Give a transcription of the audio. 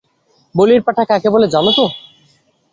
বলির পাঠা কাকে বলে জানো তো?